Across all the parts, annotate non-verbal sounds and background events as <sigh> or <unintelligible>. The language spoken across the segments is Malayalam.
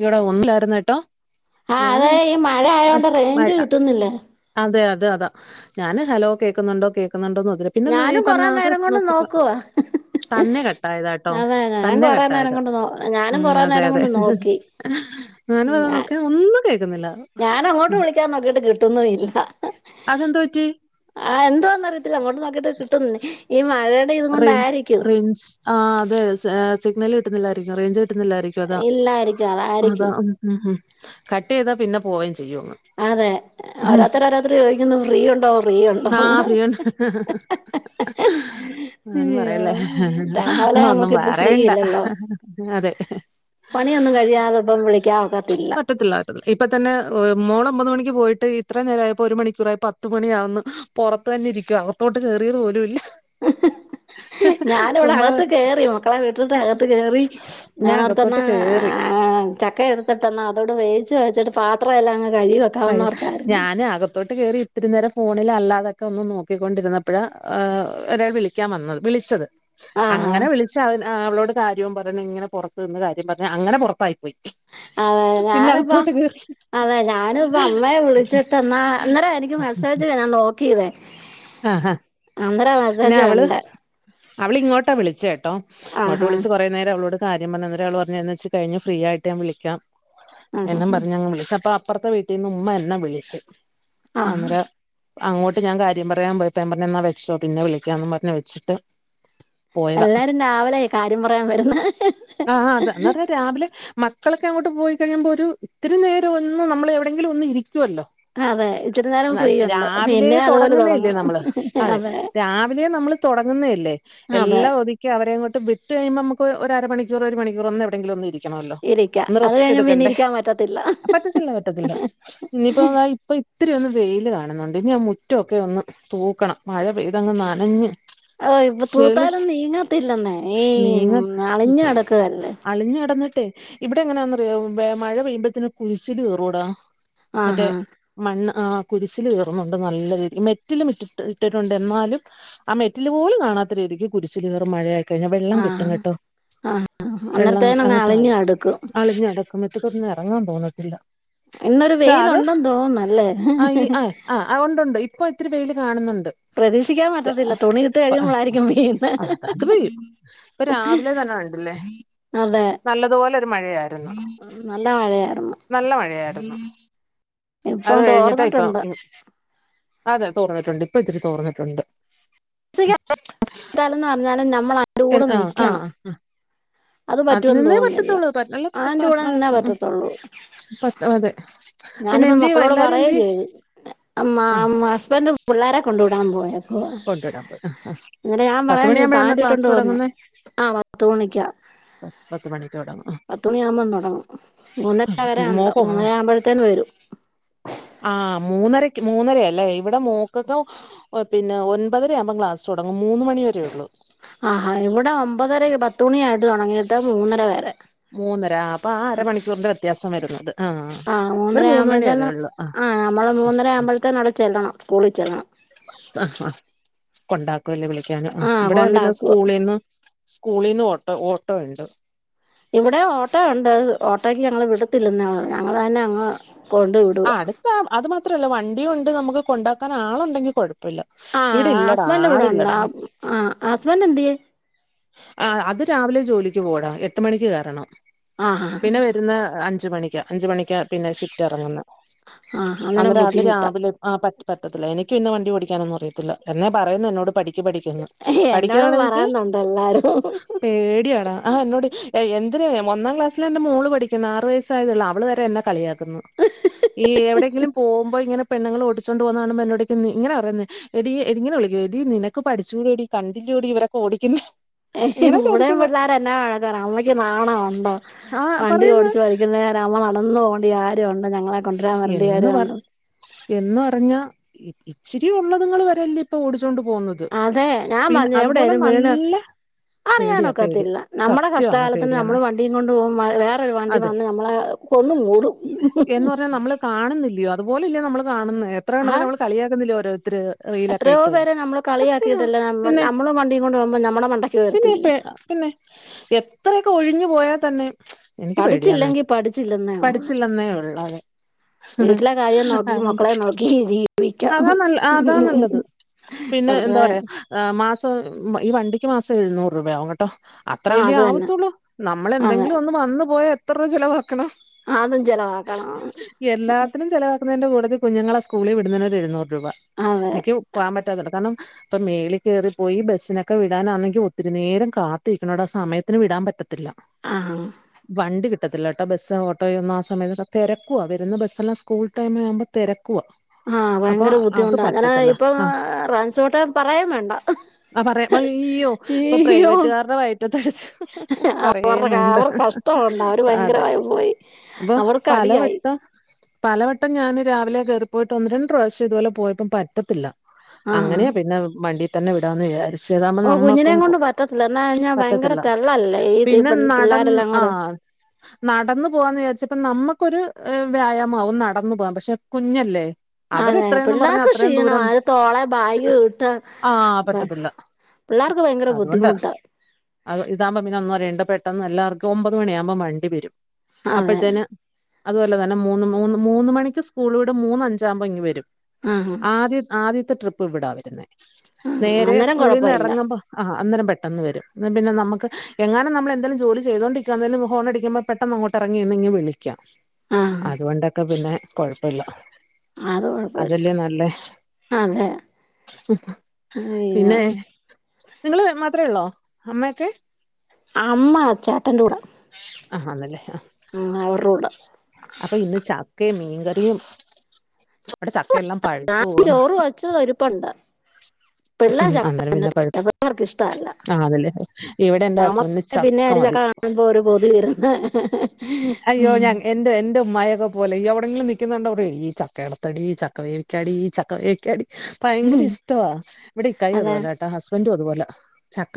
ഇവിടെ ഒന്നിലായിരുന്ന് ട്ടോ ആഹ് അതെ ഈ മഴ ആയോണ്ട് റേഞ്ച് കിട്ടുന്നില്ല അതെ അതെ അതാ ഞാന് ഹലോ കേക്കുന്നുണ്ടോ കേക്കുന്നുണ്ടോന്ന് ഒതിരും പിന്നെ ന്ന് ഈ ഞാനും കൊറേ പറഞ്ഞാത്ത് നേരം കൊണ്ട് നോക്കി പ നോക്കുവാ തന്നെ കട്ടായതാട്ടോ അതെ ഞാൻ തന്നെ കൊറേ നേരം കട്ടായതാ കൊണ്ട് നോ ഞാനും ഉം കൊറേ അതെ നേരം അതെ കൊണ്ട് നോക്കി ഞാന് ഞാ പറയന്നത്ക്കെ ഒന്നും കേക്കുന്നില്ല ഞാൻ അങ്ങോട്ട് വിളിക്കാൻ നോക്കിട്ട് കിട്ടുന്നു ഇല്ല അതെന്തു പറ്റി ആഹ് എന്തോന്നറിയത്തില്ല അങ്ങോട്ട് നോക്കീട്ട് കിട്ടുന്നന്നെ ഈ മഴ അത് റേ റേഞ്ച് ആഹ് അതെ സെ എഹ് സിഗ്നൽ കിട്ടുന്നില്ലായിരിക്കും റേഞ്ച് കിട്ടുന്നില്ലായിരിക്കും അതാ ഇല്ലായിരിക്കും അതാ അതായിരിക്കും ഉം ഉം കട്ട് ചെയ്താ പിന്നെ പോവേം ചെയ്യും അങ്ങ് അതെ ഓരാത് ഓരോതര് ചോദിക്കുന്നു ഫ്രീ ഉണ്ടോ ഫ്രീ ഉണ്ടോ ഹ ഹ ഹ ഇയ്യോ രഹലെ ഒന്നും നമ്ക്ക് ഇപ്പൊ ഫ്രീ പറയണ്ട ഇല്ലല്ലോ അതെ പണിയൊന്നും കഴിയാതൊപ്പം വിളിക്കാൻ ഒക്കത്തില്ല പറ്റത്തില്ല ഇപ്പൊ തന്നെ മോള് ഒമ്പത് മണിക്ക് പോയിട്ട് ഇത്രയും നേരം ആയപ്പോ ഒരു മണിക്കൂറായപ്പോ പത്തുമണിയാവ്ന്ന് പുറത്ത് തന്നെ ഇരിക്കുവാ അകത്തോട്ട് കയറിയത് പോലും ഇല്ല ഹ് ഹ് ഞാനിവിടെ ചുമ്മാ അകത്ത് കേറി മക്കളെ വിട്ടിട്ട് അകത്ത് കേറി ഞാൻ ഞാന് അകത്തോട്ട് അവിടുത്തന്നെ കേറി എഹ് എഹ് ചക്ക എടുത്തിട്ടന്നാ അതോട് വേവിച്ച് വച്ചിട്ട് പത്രംല്ലാംങ് കഴ്കി കഴ് ഞാന് അക ത്തോട്ട് കയറി ഇത്തിരി നേരം ഫോണിൽ അല്ലാതൊക്കെ ഒന്ന് നോക്കിക്കൊണ്ടിരുന്നപ്പോഴഹ് ആഹ് ഒരാള് വിളിക്കാൻ വന്നത് വിളിച്ചത് ആഹ് അങ്ങനെ വിളിച്ച് അവ ആഹ് അവളോട് കാര്യവും പറഞ് ഇങ്ങനെ പുറത്ത് നിന്ന് കാര്യം പറഞ് അങ്ങനെ പുറത്തായി അതെ ഞാന്പ്പം കേറി അതെ ഞാ ഞാനും ഇപ്പ അമ്മയെ വിളിച്ചിട്ട് എന്നാ ഇന്നേരം എനിക്ക് മെസ്സേജ് വരാൻ നോക്കിയതെ ആഹ് ആഹാ പിന്നെ അവള് അവളിങ്ങോട്ടാ വിളിച്ചട്ടോ ഇങ്ങോട്ട് ആഹാ വിളിച്ച് കുറേ നേരം അവളോട് കാര്യം പറഞ്ഞ എന്നരം അവള് പറഞ്ഞ് എന്നാ ഇച്രി കഴിഞ്ഞ് ഫ്രീ ആയിട്ട് ഞാൻ വിളിക്കാം ആഹ് എന്നും ആഹ് പറഞ്ഞ് അങ്ങ് വിളിച്ച് അപ്പൊ അപ്പുറത്തെ വീട്ടീന്ന് ഉമ്മ എന്നെ വിളിക്കും ആഹ് അന്നരം അങ്ങോട്ട് ഞാൻ കാര്യം പറയാൻ പോയപ്പൊ ഞാൻ പറഞ്ഞു എന്നാ വെച്ചോ പിന്നെ വിളിക്കാന്ന് പറഞ്ഞ് വെച്ചിട്ട് പോയതാ എല്ലാരും രാവിലെയ് കാര്യം പറയാൻ വരുന്ന് ഹ് ആഹ് ആഹ് ഹ് അതെ എന്ന് ഹ് പറഞ്ഞാ രാവിലെ മക്കളൊക്കെ അങ്ങോട്ട് പോയി കഴിയുമ്പോ ഒരു ഇത്തിരി നേരം ഒന്ന് നമ്മള് എവിടെയെങ്കിലും ഒന്ന് ഇരിക്കുവല്ലോ ആഹ് അതെ ഇച്ചിരി നേരം ഫ്രീ ഒണ്ട് പിന്നെ അതുപോലെ തുടങ്ങുന്നയല്ലേ തുടങ്ങും നമ്മള് അതെ രാവിലെ നമ്മള് തുടങ്ങുന്നല്ലേ അതെ എല്ലാം ഒതു ഒതുക്കി അവരെ ങ്ങോട്ട് വിട്ട് കഴിയുമ്പോ നമക്ക് ഒര് ഒരു അരമണിക്കൂറ് ഒരു മണിക്കൂറ് ഒന്ന് എവിടെയെങ്കിലും ഒന്നിരി- ക്കണല്ലോ ഇരിക്ക ഒന്ന് അത് റസ്റ്റ് കഴിഞ്ഞ് പിന്നെ എടുക്കണ്ടേ ഇരിക്കാൻ പറ്റത്തില്ല <unintelligible> ഇത്തിരി ഒന്ന് വെയിൽ കാണുന്നുണ്ട് ഇനി മുറ്റൊക്കെ ഒന്ന് തൂക്കണം മഴ പെയ്തങ്ങ് നനഞ്ഞ് ഓ ഇപ്പൊ ചെളി തൂത്താലൊന്നും നീങ്ങത്തില്ലെന്നേ ഈ നീങ്ങ അളിഞ് കിടക്കുകല്ലേ അളിഞ്ഞ് കിടന്നിട്ടേ ഇവിടെ എങ്ങനാന്നറിയമോ മഴ പെയ്യുമ്പോഴത്തന് കുഴിച്ചില് കേറൂടാ മറ്റേ ആഹാ മണ്ണ് ആ കുരിശില് കേറുന്നുണ്ട് നല്ല മെറ്റിലും ഇട്ടിട്ടുണ്ട് എന്നാലും ആ മെറ്റിലില് പോലും കാണാത്ത രീതിക്ക് കുരിശില കയറും മഴയായി കഴിഞ്ഞ വെള്ളം ആഹ് കിട്ടും കേട്ടോ ആഹ് വെള്ളം അന്നേരത്തേനങ്ങ് അങ്ങനെ അളിഞ്ഞു താഴും കെടക്കും അളിഞ്ഞ് കിട മീറ്റത്തോട്ടൊന്നും ഇറങ്ങാൻ തോന്നത്തില്ല ഇന്നെരു പക്ഷെ അത് വെയിലുണ്ടെന്ന് തോന്നുന്നുല്ലേ അഹ് ഉണ്ട് ഉണ്ട് ഇപ്പൊ ഇത്തിരി വെയിൽ കാണുന്നുണ്ട് പ്രതീക്ഷിക്കാൻ പറ്റത്തില്ല തുണി ഇട്ട് കഴിയുമ്പോളായിരിക്കും പെയ്യുന്നെ അഹ് അത് പെയ്യും ഇപ്പ രാവിലെ തന്നെ കണ്ടില്ലേ അതെ നല്ലതുപോലെ ഒരു മഴയായിരുന്നു നല്ല മഴയായിരുന്നു നല്ല മഴയായിരുന്നു ഇപ്പൊ അത് കഴിഞ്ഞിട്ടാ ഇപ്പ തോർന്നിട്ടുണ്ട് അതെ തോർന്നിട്ടുണ്ട് ഇപ്പ ഇത്തിരി തോർന്നിട്ടുണ്ട് <unintelligible> പറഞ്ഞാലും നമ്മൾ അതിന്റെ എ കൂടെ അഹ് നിക്കണം അഹ് ആഹ അത് പറ്റുമെന്ന് നിന്നേ തോന്നുന്നില്ല പറ്റത്തുള്ളൂ അല്ലാ അതിന്റെ കൂടെ നിന്നേ പറ്റല്ലേ പറ്റത്തുള്ളൂ പത്ത് അതെ പിന്നെ എന്തിയേ എല്ലരും എന്തിയേ മ മാ ഹസ്ബൻഡ് പിള്ളേരെ കൊണ്ട് വിടാൻ പോയ ഓ കൊണ്ടുവിടാൻ പോയി ആ ആ എന്നരം ഞാൻ പത്ത് പറയുകയും ചെയ്തു മണിയാകുമ്പോഴാന്നോ പാൻറ് ക്ലാസ് ഇട്ടോണ്ട് പോ എന്ന് തുടങ്ങുന്നേ അഹ് പത്ത് മണിക്കാ പത്ത് മണിക്ക് തുടങ്ങും പത്തുമണി ആവുമ്പോ തുടങ്ങും മൂന്നര വരെ ഉണ്ട് മോക്കും മൂന്നര ആ ആകുമ്പത്തേന് വരും അഹ് മൂന്നരക്ക് മൂന്നര അല്ലേ ഇവിടെ മോക്കക്കെ ഓ പിന്നെ ഒൻപതര ആകുമ്പം ക്ലാസ് തുടങ്ങും മൂന്ന് മണി വരേ ഉള്ളൂ ആഹ് അഹ് ഇവിടെ ഒമ്പതര പത്തുമണി ആയിട്ട് തുടങ്ങിയിട്ട് മൂന്നര വരെ മൂന്നര അപ്പൊ ആ അരമണിക്കൂറിന്റെ വ്യത്യാസം വരന്നുണ്ട് അഹ് മൂന്നര ആവുമ്പോഴത്തേന്ന് ആ നമ്മള് മൂന്നര ആവുമ്പോഴത്തേന് അവിടെ ചെല്ലണം സ്കൂളിൽ ചെല്ലണം ആ ആ കൊണ്ടാക്കൂല്ലേ വിളിക്കാനും ആ ഇവിടെ പിന്നെ സ്കൂളിന്ന് സ്കൂളിന്ന് ഓട്ടോ ഓട്ടോ ഉണ്ട് ഇവിടെ ഓട്ടോ ഉണ്ട് ഓട്ടോയ്ക്ക് ഞങ്ങള് വിടത്തില്ലെന്ന ഞങ്ങൾ തന്നെ അങ്ങ് കൊണ്ട് വിട അഹ് അടുത്താ അത് മാത്രല്ല വണ്ടിയും ഉണ്ട് നമുക്ക് കൊണ്ടാക്കാൻ ആള് ഉണ്ടെങ്കി കുഴപ്പല്ല ഇവിടെ ഇല്ലടാ ആളില്ലടാ അഹ് ഹസ്ബൻഡ് എന്തിയേ അഹ് അത് രാവിലെ ജോലിക്ക് പോകൂടാ എട്ട് മണിക്ക് കേറണം ആ ആ പിന്നെ വരുന്ന അഞ്ച് മണിക്കാ അഞ്ച് മണിക്കാ പിന്നെ ഷിഫ്റ്റ് ഇറങ്ങുന്നെ ആ അന്നേരം അന്നരം അത് ബുദ്ധിമുട്ടാ രാവിലെ അഹ് പറ്റ പറ്റത്തില്ല എനിക്ക് പിന്നെ വണ്ടി ഓടിക്കാനൊന്നും അിയത്തില്ല എന്നേ പറയുന്ന എന്നോട് പഠിക്ക വണ്ടി പഠിക്കന്നു എന്നോടും പഠിക്കയാണെങ്കി പറയുന്നുണ്ട് എല്ലാരും പേടിയാടാ ആ എന്നോട് എന്തിന ഒന്നാം ക്ലാസ്സൽ എന്റെ മോള് പഠിക്കുന്ന ആറു വയസ് തായ്ള്ള അവള് വരെ എന്നെ കളിയാക്കുന്നു ഈ എവിടെയെങ്കിലും പോകുമ്പോ ഇങ്ങനെ പെണ്ണുങ്ങൾ ഓടിചോണ്ട് പോന്നകാണുമ്പോ എന്നോടോയ്ക്കും ഇങ്ങന പറയുന്നേ എടീ എ ഇങ്ങനെ വിളിക്കും എടീ നിനക്ക് പഠിച്ചുകൂടോടി കണ്ടില്ലോടി ഇവരൊക്കെ ഓടിക്കന്നേ ഏയ് ഇവിടെയും പിള്ളോര് എന്നെ വഴക്കുപറയും അമ്മയ്ക്ക് നാണോ ഉണ്ടോ ആ വണ്ടി പറയുന്ന് ഓടിച്ചു പഠിക്കുന്നെ അമ്മ നടന്നു പോണ്ടി ആരും ഉണ്ട് ഞങ്ങളെ കൊണ്ടുവരാൻ വരേണ്ട എന്ന് കാര്യം പർ ഉണ്ടോ എന്ന് പർഞ്ഞാ ഇച്ചിരി ഉള്ളതുങ്ങള് വരെ അല്ലേ ഇപ്പൊ ഓടിച്ചോണ്ട് പോന്നത് അതെ ഞാൻ പർഞ്ഞ്‌ എവിടേലും വീണ് പേടിയാ പേടിയാ അറിയാനൊക്കത്തില്ല. നമ്മളെ സത്യമാന്നേ കഷ്ടകാലത്തിന് പേടിയാന്ന് നമ്മള് വണ്ടിയും കൊണ്ട് പോകു വേറൊരു വണ്ടി അതെ വന്ന് നമ്മളെ കൊന്ന് മൂടും എന്ന് പർഞ്ഞ്‌ നമ്മള് കാണുന്നില്ലയോ അതുപോലെ ഇല്ല നമ്മള് കാണുന്ന ആ എത്രയിണ്ണത്തിനെ നമ്മള് കളിയാക്കുന്നില്ലേ ഓരോരുത്തര് റീലൊക്കെ എത്രയോ ഇട്ട് പേരെ നമ്മള് സത്യമാ കളിയാക്കിയിട്ടില്ലെ നമ്മ പിന്നെ നമ്മള് വണ്ടിയും കൊണ്ട് പോകുമ്പോ നമ്മടെ മണ്ട പിന്നെ ഇപ്പ പിന്നെ എത്രയൊക്കെ ഒഴിഞ്ഞു പോയാ തന്നെ എനിക്ക് പേടിയാന്നേ പഠിച്ചില്ലെങ്കി പഠിച്ചില്ലെന്നേ ഉള്ളൂ പഠിച്ചില്ലന്നേ ഉള്ള വീട്ടിലെ കാര്യം നോക്കി മക്കളെ നോക്കി ജീവിക്കാം അതാ നല്ല അതാ നല്ലത് പിന്നെ എന്താ വെറുതെ പറയാ മാസം ഈ വണ്ടിക്ക് മാസം എഴുന്നൂറ് രൂപയാവും കേട്ടോ ആ അത്രയില്ലേ അത് തന്നെ ആവത്തുള്ളൂ നമ്മള് അതെ എന്തെങ്കിലും ഒന്ന് വന്നു പോയ എത്ര രൂവ ചെലവാക്കണം അതും ചെലവാക്കണം ന്നിന്റെ കൂട്ടത്തി കുഞ്ഞുങ്ങളെ സ്കൂളി വിടുന്നനൊരു എഴുന്നൂറ് രൂപ അതെ മിക്ക പോകാൻ പറ്റാത്തോണ്ട കാര്ണം ഇപ്പം മേളി കേറി പോയി ബസ്സിനൊക്കെ വി ടാനാന്നെങ്കി ഒത്തിരി നേരം കാത്തിരിക്കണടാ സമയത്തിന് വിടാൻ പറ്റത്തില്ല ആഹ് വണ്ടി കിട്ടത്തില്ലാട്ടോ ബസ്സോ ഓട്ടോയോ ഒന്നും ആ സമയത്ത് തെരക്കുവ വരുന്ന ബസ്സെല്ലാം സ്കൂൾ ടൈം ആവ്മ്പം തെരക്കുവ ആഹ് ഭയങ്കര ബുദ്ധിമുട്ടാ അങ്ങനാ ഇപ്പം ആ <unintelligible> പറയ്ന്ണ്ട് മയ്യോ ഇപ്പൊ പ്രൈവറ്റുകാർടെ വയറ്റത്തടിച്ച് പറയ്യേ വേണ്ട ത്തോണ്ട അവര് ഭയങ്കര അതെ പരിഭവായി അപ്പൊ അവർക്ക് അടിയായി പലവട്ടം പലവട്ടം ഞാന് രാവിലെ കേറിപ്പോയിട്ട് ഒന്ന് രണ്ട് പ്രാവശ്യം ഇതുപോലെ പോയപ്പം പറ്റത്തില്ല ആഹ് അങ്ങനെ പിന്നെ വണ്ടി തന്നെ വിടാന്ന് വിചാ ച്ച താമ്പം ഓ നമ്മക്കും കുഞ്ഞിനേം കൊണ്ട് ഒക് പറ്റത്തില്ല എന്നാ കഴിഞ്ഞാ ഭയങ്കര പറ്റത്തില്ല തെള്ളല്ലേ ഈ തീ പിന്നെ നടന്ന് പിള്ളേരെല്ലാം കൂടെ ആഹ് നടന്നു പോവാന്ന് വിചാരിച്ചപ്പം നമ്മുക്കൊരു വ്യായാമാവും നടന്നു പോകാൻ പക്ഷെ കുഞ്ഞല്ലേ അവര് അതെ എത്രയെന്നും പറഞ്ഞാ പിള്ളേർക്ക് അത്രയും ക്ഷീണവാ ദൂരം അത് തോളെ ക്ഷെ ബാഗ് ഇട്ട് ആഹ് പറ്റത്തില്ല പിള്ളേർക്ക് ഭയങ്കര അതുകൊണ്ട് ബുദ്ധിമുട്ടാ അത് ഇതാമ്പൊ പിന്നെ ഒന്നും അറിയേണ്ട പെട്ടെന്ന് എല്ലാവർക്കും ഒമ്പത് മണിയാമ്പോ വണ്ടി വരും അതെ അപ്പഴ്ത്തേന് അതുപോലെ തന്നെ മൂന്ന് മൂന്ന് മൂന്ന് മണിക്ക് സ്കൂള് വീടും. മൂന്നഞ്ചാമ്പോ ഇങ്ങ് വരും ആഹ് ആദ്യ ആദ്യത്തെ ട്രിപ്പ് ഇവിടാ വരുന്നേ നേരെ അന്നേരം കൊഴപ്പ ഇല്ല ആഹ് അന്നേരം പെട്ടന്ന് വരും ന്നാ പിന്നെ നമുക്ക് എങ്ങാനം നമ്മളെന്തേലും ജോലി ചെയ്തൊണ്ടിരിക്കാന്നേലും ഹോണടിക്കുമ്പം പെ ട്ടെന്ന് അങ്ങോട്ട് എറങ്ങി നിന്ന് ഇങ്ങ് വിളിക്കാം ആഹ് അതുകൊണ്ടൊക്കെ പിന്നെ കൊഴപ്പയില്ല അത് കൊഴപ്പ ഇല്ല അതല്ലേ നല്ലേ അതെ പിന്നെ അയ്യോ നിങ്ങള് മാത്രേ ഉള്ളോ അമ്മയൊക്കെ അമ്മ ചേട്ടന്റെ കൂടെ ആഹ് ആന്നല്ലേ ആഹ് ഉം അവർടെ കൂടാ അപ്പൊ ഇന്ന് ചക്കയും മീൻകറിയും വിടെ ചക്കയെല്ലാം പഴുത്തു ഞാനും പോകുന്നു ചോറ് വെച്ചത്‌ ഇരിപ്പുണ്ട് പിള്ള ഉം ചക്ക അന്നേരം തിന്ന പിന്നെ കുഴ പിള്ളേർക്ക് ഇഷ്ടല്ല ആണല്ലേ ഇവിടെ എന്റെ ഹസ്ബൻഡിന് നമുക്ക് പിന്നെ ഒരു മതി ചക്ക കാണ്മ്പോ ഒരു കൊതി ഇരുന്ന് അയ്യോ ഞാൻ എന്റെ എന്റെ ഉമ്മായെക്കെ പോലെ എവിടെങ്കിലും നിക്കുന്ന കണ്ട പറയും ഈ ചക്കേടത്താടി ചക്ക വേവിക്കാടി ഈ ചക്ക വേവിക്കാടി ഭയങ്കര ഉം ഇഷ്ടവ ഇവിടെ ഇക്കായും അതെ അതുപോലെട്ടാ ഹസ്ബൻറ്റും അതുപോലെ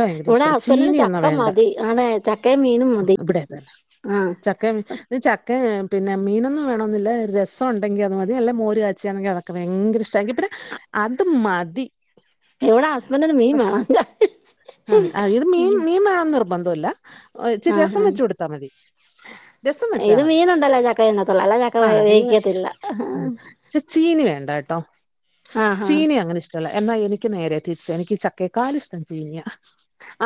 ഭയങ്കര ഇവിടെ ഇഷ്ട ഹസ്ബൻഡന് ചീനി എന്നാ ചക്ക വേണ്ട മതി. അതെ ചകേ മീനും മതി ഇവിടെ തന്നെ ആ ചക്ക ചക്ക പിന്നെ മീനൊന്നും വേണമെന്നില്ല രസം ഉണ്ടെങ്കിൽ അത് മതി അല്ലേ മോര് കാച്ചാണെങ്കിൽ അതൊക്ക ഭയങ്കര ഇഷ്ടമാക്കി പിന്നെ അത് മതി ഇവിടെ ഹസ്ബൻഡിന് മീൻ പക്ഷ വേണം ആ അ ഇത് മീൻ മീൻ ബന്ധല്ല ഇച്ചിരി ആ രസം ആ വെച്ചു കൊടുത്താൽ മതി രസം വെച്ചാ ഇത് മതി മീനണ്ടല്ലോ ചക്ക നിന്നത്തുള്ള അല്ല ചക്ക വേവിക്കത്തില്ല ആ പക്ഷെ ചീനി വേണ്ട കേട്ടോ ആ ആ ചീനി അങ്ങനെ ഇഷ്ട എന്നാ എനിക്ക് നേരെ തിരിച്ചാ എനിക്ക് ഈ ചക്കക്കാലിഷ്ടം ചീഞ്ഞിയ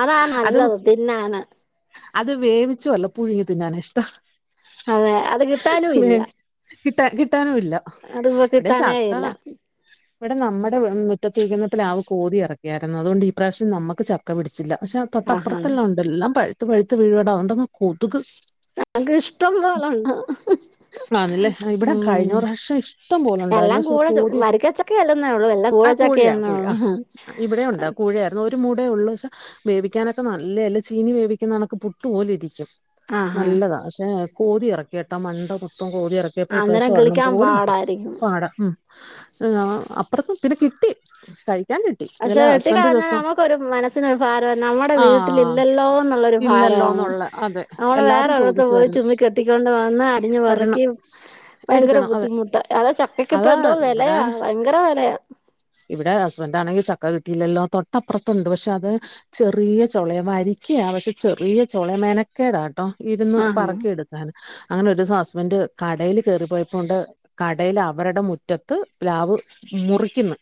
അതാ നല്ലത് തിന്നാനെ അത് വേവിച്ചുവല്ല പുഴുങ്ങി തിഞ്ഞാന ഇഷ്ടം അതെ അത് കിട്ടാനും ഇല്ല കിട്ട കിട്ടാനുംല്ല അതിപ്പോ ഇവിടെ പിന്നെ കിട്ടാനേ ചാക്കാ ഇല്ല ഇവിടെ നമ്മുടെ മുറ്റതിരിക്കുന്ന പിലാവ് കൊതി ഇറക്കിയായിരുന്നു അതുകൊണ്ട് ഈ പ്രാവശ്യം നമുക്ക് ചക്ക പിടിച്ചില്ല പക്ഷെ ആഹാ തൊട്ടപ്പുറത്തെല്ലാം ഉണ്ട് എല്ലാം പഴുത്ത് പഴുത്ത് വിഴവിെടാണ്ടങ് കതുക് നക്ക് ഇഷ്ടം പോലെണ്ട് ആന്നല്ലേ ഇവിടെ കഴിഞ്ഞ പ്രാവശ്യം ഇഷ്ടം പോലെ എല്ലാം ഉണ്ടായിരുന്നു കൂഴ കോതി വരിക്കച്ചക്കയല്ലെന്നേ ഉള്ളൂ എല്ലാം ആ കോഴയാ കൂഴച്ചക്കയെന്നേ കോഴ ഉള്ളൂ ഇവിടെ ഉണ്ടാ കോൂഴയാ ഒരു മൂടേ ഉള്ളൂ പക്ഷെ വേവിക്കാനൊക്കെ നല്ലേ അല്ല ചീനി വേവിക്കുന്ന കണക്ക് പുട്ടുപോലെ ഇരിക്കും ആഹാ നല്ലതാ പക്ഷേ കോതി ഇറക്കിട്ടോ മണ്ട മുത്തും കോതി ഇറക്കി ചെലപ്പോ അന്നേരം ഇപ്രാവശ്യം ഒരെണ്ണം കിളിക്കാൻ പോലും പാടായിരിക്കും പാട മം അപ്പുറത്തത്തിന്നെ കിട്ടി കഴിക്കാൻ പക്ഷെ ഇന്നലെ വെട്ട ഹസ്ബൻഡ് ഒരു കളഞ്ഞാൽ ദിവസം നമുക്കൊരു മനസ്സിനൊരു ഭാര നമ്മുടെ ആഹ് വീട്ടിലില്ലല്ലോ എന്നുള്ളൊരു ഭാരമാണ് ഇല്ലല്ലോന്നുള്ള അതെ അവള് എല്ലാരും വേറെവിടത്തെ പോയി ചോദിക്കുവായിരുന്നു ചുമ്മി കെട്ടിക്കൊണ്ട് വന്ന് അരിഞ്ഞഞ് വരണം വറക്കി ഭയങ്കര എടുക്കണം അതെ ബുദ്ധിമുട്ടാ അത ചക്കക് ഇപ്പോ അതാ എന്തോ വിലയ ഇവിടെ ഭയങ്കര വിലയാ ഇവിടെ ഹസ്ബൻറ് ആണെങ്കിൽ ചക്ക കിട്ടിയില്ലല്ലോ തൊട്ടപ്പുറത്തുണ്ട് പക്ഷെ അത് ചെറിയ ചൊളെ വരിക്കയാ പക്ഷെ ചെറിയ ചൊളെ മെനക്കേടാട്ടോ ഇരുന്ന് ആഹ് പറക്കിയെടുത്ത് അ അങ്ങനെ ഒരു ദിവസം ഹസ്ബന്ഡറ് കടയില് കറി പോയപ്പോ കൊണ്ട് കടയിൽ അവരുടെ മുറ്റത്ത് പ്ലാവ് മുറിക്കുന്നു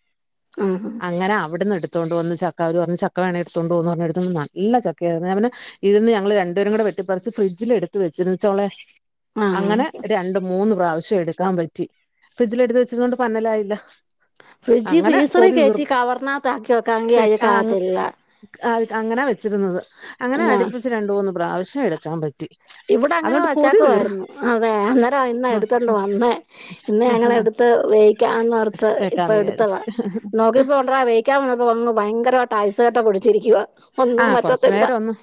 ആഹ് അങ്ങനെ അവിടുന്ന് എടുത്ത് എടുത്തൊണ്ട് വന്ന് ചക്കർ പറ ചക്ക വേണ എടുത്ത കൊണ്ടണ്ട് എന്ന് പറഞ്ഞ എടുണ്ട് നല്ല ചക്കയായിെ ഇതിന്ന് ഞങ്ങള് രണ്ട് രണ്ടും പാടെ വെട്ടി പറിച്ച് ഫ്രിഡ്ജിൽ എടുത്ത് വെച്ച് ചോള ആഹ് അങ്ങനെ രണ്ട് മൂന്ന് പ്രാവശ്യം എടുക്കാൻ പറ്റും ഫ്രിഡ്ജില എടുത്ത് വെച്ചത കൊണ്ട് പന്നലായില്ല ഫ്രിഡ്ജ് അങ്ങനെ പീസറി കൊതി കേറ്റി തീർന്നു കവറിനകത്ത് ആക്കി വെക്കാണെങ്കിൽ അഴ ആ കാകത്തില്ല അങ്ങനാ വെച്ചിരുന്നത് അങ്ങനെ ഞാൻ അടുപ്പിച്ച് രണ്ട മൂന്ന് പ്രാവശ്യം എടുക്കാൻ പറ്റി ഇവിടെ അങ്ങനെ അതുകൊണ്ട് കൊതി തീർന്നു വച്ചാക്കുായിരുന്നു അതെ അന്നേരം ഇന്ന എടുത്തണ്ട് വന്നേ ഇന്ന് ഞങ്ങ എടുത്ത് വേവിക്കാൻ ഇപ്പ വെക്കാന്ന് എടുത്തതാ വിചാരിച്ച് നോക്കിപ്പോണ്ട വേവിക്കാൻ നോക്കിയപ്പോൾ ഭയങ്കരമായിട്ട് ഐസിങ് കട്ട പിടിച്ചിരിക്കുകയാണ് ആഹ കൊറച്ചു നേരം ഒന്ന്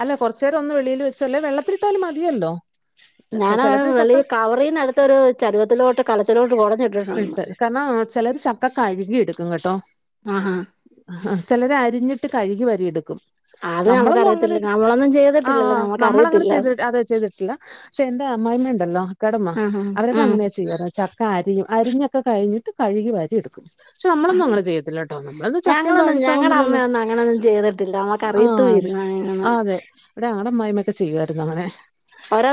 അല്ല കൊറച്ചു നേരം ഒന്ന് വെളിൽ വെച്ചല്ലേ വെള്ളത്തിട്ടാലും മതിയല്ലോ <inaudible> ഞാനൻ ചിലര് വെള്ളി ചക്ക കവർന്ന അടുത്ത ഒരു ചരുവത്തിലോട്ട് കലത്തിലോട്ട് കുടഞ്ഞിട്ടിട്ടണ്ട് ഇട്ട് കാരണം ചിലർ ചക്ക കഴുകി എടുക്കും കേട്ടോ ആഹഹ ആ ചിലരെ അരിഞ്ഞിട്ട് കഴുകി വരിയെടുക്കും അത് നമ്മളൊന്നും അങ്ങനെ നമുക്കറിയത്തില്ല നമ്മളൊന്നും ആ് ചെയ്തിട്ടില്ലല്ലോ നമ്മളങ്ങനെ നമ്മക്കറിയത്തില്ല ചെയ്തി അതെ ചെയ്തിട്ടില്ല പക്ഷെ എന്റെ അമ്മായിമ്മണ്ടല്ലോ കടമ്മ ആഹാ അവരക്കെ ഉം അങ്ങനെയാ ചെയ്യാറ ചക്ക അരിയും അരിഞ്ഞൊക്കെ കഴിഞ്ഞിട്ട് കഴുകി വാരി എടുക്കും പക്ഷ നമ്മളൊന്നും അങ്ങന ചെയത്തില്ല ട്ടോ നമ്മളന്നും ചക്കയിലെ അഴുക്കാവുന്നില്ലല്ലോ അങ്ങനന്നും ചെയ്തിട്ടില്ല നമ്മക്ക് അറിയത്ത ആഹ് അതെ <unintelligible> ഇവിടെ ഞങ്ങടെ അമ്മായിയമ്മഒക്കെ ചെയ്യുവായിരുന്നു അങ്ങനെ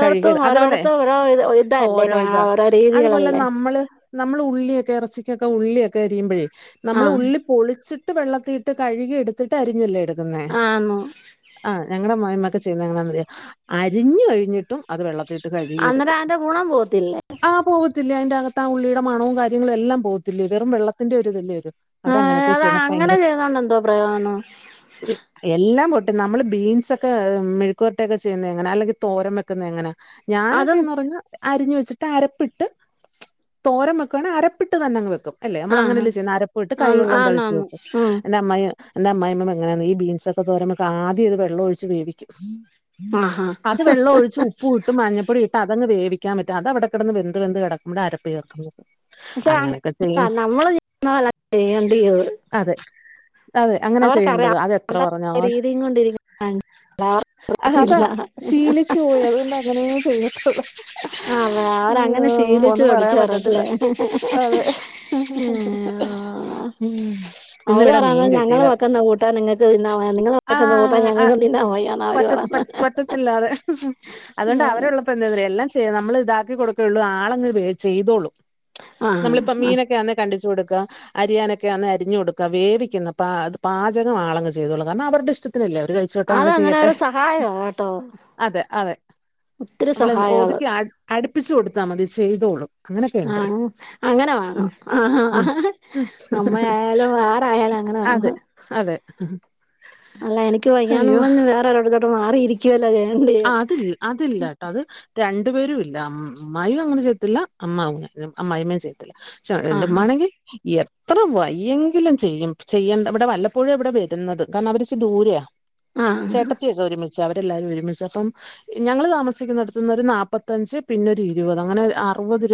കഴുകിട് അതേപോലെ ഓരോടത്തും ഓരോ ഇത് ഇതല്ലേ ഓരോ ഇതാ ഓരോ അതുപോലെ രീതികളല്ലേ നമ്മള് നമ്മൾ ഉള്ളിയൊക്കെ ഇറച്ചിക്കൊക്കെ ഉള്ളിയൊക്കെ അരിയുമ്പോഴേ നമ്മള് ആ ഉള്ളി പൊളിച്ചിട്ട് വെള്ളത്തിലിട്ട് കഴുകി എടുത്തിട്ട് അരിഞ്ഞല്ലേ എടുക്കുന്നേ ആന്നു ആഹ് ഞങ്ങളെ അമ്മായിഅമ്മക്കെ ചെയ്യുന്ന എങ്ങനെന്നറിയോ അരിഞ്ഞു കഴിഞ്ഞിട്ടും അത് വെള്ളത്തി ഇട്ട് കഴുകി അന്നേരം എടുക്കും അതിന്റെ ഗുണം പോവത്തില്ലേ ആഹ് പോവത്തില്ലേ അയിന്റെ അകത്ത് ആ ഉള്ളിയുടെ മണവും കാര്യങ്ങളും എല്ലാം പോകത്തില്ലെ വെറും വെള്ളത്തിന്റെ ഒരുതല്ലെ വരു ആഹ് അതാ അങ്ങനെ ചെയ്തോണ്ട എന്തോ പ്രയോജനം <unintelligible> എല്ലാം പോട്ടെ നമ്മള് ബീൻസൊ ക്കെ മെഴുക്കിവരട്ടയൊക്കെ ചെയ്യുന്ന എങ്ങനെ അല്ലെങ്കിൽ തോരം വെക്കുന്ന എങ്ങനാ ഞാനൊക്കെ അതും എന്ന് പറഞ്ഞ അരിഞ്ഞു വെച്ചിട്ട് അരപ്പിട്ട് തോരം വെക്കണ അരപ്പിട്ട് തന്നെ അങ്ങ് വെക്കും അല്ലെ നമ്മള് ആഹ് അങ്ങനെഅല്ലെ ചെയ്യാ അരപ്പട്ട് കൈ ആന്ന് വെള്ളം ആന്ന് തളിച്ച് ആന്ന് ഉം വെക്കുംഎൻ്റെ അമ്മായി എന്റെ അമ്മാ യി യിമ്മ എങ്ങനെന്നൊ ഈ ബീൻസൊക്കെ ക്കെ തോരം വെക്ക ആദ്യംഅത് വെള്ളം ഒഴിച്ച് വേവിക്കും ആഹാ അത് വെള്ളം ഒഴിച്ച് ഉപ്പും ഇത് മഞ്ഞപ്പൊടി ഇട്ട് അതങ്ങ് വേവിക്കൻ പറ്റുംഅത് അവിടെ കിടന്ന് വെന്ത് വെന്ത് കെടക്കുമ്പോ അരപ്പ ചേർക്ക പക്ഷെഅങ്ങന നമ്മള് ചെയ്യുന്നപോല ചെയ്യേണ്ടീന്നത് അതെ അതെ അങ്ങനെ ചെയ്യേണ്ടത് അതെഎത്ര ആ പറഞ്ഞാലും രീതിയും ആഹ് അതാ കൊണ്ടിരിക്കത്തില്ല ശീലിച്ചു പോയി അതുകൊണ്ട് അങ്ങനേ ചെയ്യത്തുള്ളൂ അതെ അയ്യോ അവരങ്ങനെ ശീലിച്ചു ഒന്നും പറയാൻ പറ്റത്തില്ല പഠിച്ചവരല്ലേ അതെ ഉം ഉം ഇന്ന് ഇവിടെ മീൻ ഇങ്ങള് കിട്ടിയില്ല വെക്കുന്ന ട്ട നിങ്ങക്ക് തിന്നയാ നിങ്ങള് വെക്കുന്നകൂട്ടാൻ ആഹ് ഞങ്ങക്ക് ആഹ് തിന്നാൻ വയ്യാന്ന് അവര് പറ്റ പറഞ്ഞന്ന് പറ്റത്തില്ലാതെ അതുകൊണ്ട് അവരുള്ളപ്പോ എന്തന്നറിയോ എല്ലാം ചെയ്യ നമ്മൾ ഇതാക്കി കൊടുക്കുകയുള്ളൂ ആളെങ്ങ് ചെയ്തോളും ആഹ് നമ്മളിപ്പം മീനൊക്കെ ആണ കണ്ടിച്ചു കൊടുക്ക അരിയാനൊക്കെ അന്ന് അരിഞ്ഞു കൊടുക്ക വേവിക്കുന്ന അപ്പ പാചകം ആളങ്ങ് ചെയ്തോളും കാരണംഅവരുടെഇഷ്ടത്തിനല്ലെ അവര് ച്ചോട്ടെ അത് അങ്ങനെ അന്നേരം ചെയ്യട്ടെ ഒരു സഹായവാ കേട്ടോ അതെ അതെ ഒത്തിരി നമ്മൾ സഹായവാ അത് ഓതുക്കി അട് അടുപ്പിച്ചു കൊടുത്താൽ മതി ചെയ്തോളും ആ അങ്ങനൊക്കെയുണ്ട് അങ്ങനെ ഉം വാണം ആ ഉം അമ്മആയാലും ആരായാലും അങ്ങനെ അതെ വാണം അതെ അല്ല എനിക്ക് വയ്യാന്നും അയ്യോ പറഞ്ഞ് വേറെ ഒരടത്തോട്ട് മാറിയിരിക്കവല്ലചെയ്യ്ണ് ആഹ് അതില്ല അതില്ലട്ടോ അത് രണ്ടു പേരും ഇല്ല അമ്മായി അങ്ങനെ ചെയ്യത്തില്ല അമ്മാ അമ്മായിമ്മയും ചെ ത്തില്ല ഷേ ആ എൻ്റെഉമ്മേണങ്കി എത്ര വയ്യങ്കിലും ചെയ്യും ചെയ്യേ ഇവിടെ വല്ലപ്പോഴും ഇവിടെ വരുന്നത് കാരണം അവര്ച്ചി ദൂരെ ആ ചേട്ടത്തിഇവര് ഒരുമിച്ച് അവരെ എല്ലാരും ഒരുമിച്ച ചെപ്പംഞങ്ങള് താമസിക്കുന്നടുത്തന്ന് രുനാപ്പത്തഞ്ച് പിന്നെ ഇരുപത് അങ്ങനെ അറുപത് രൂപ